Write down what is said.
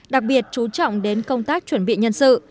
đặc biệt chú trọng đến công tác chuẩn bị nhân sự